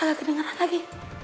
gak kedengeran lagi